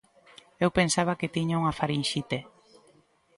Eu pensaba que tiña unha farinxite.